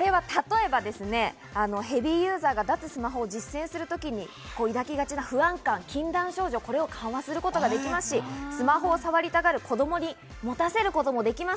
例えば、ヘビーユーザーが脱スマホを実践する時に抱きがちな不安感、禁断症状、これを緩和することができますし、スマホを触りたがる子供に持たせることもできます。